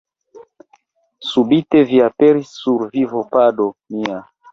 Subite vi aperis sur vivopado mia.